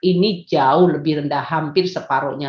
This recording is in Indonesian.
ini jauh lebih rendah hampir separuhnya